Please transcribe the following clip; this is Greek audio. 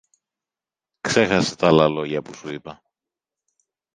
Ξέχασε τ' άλλα λόγια που σου είπα.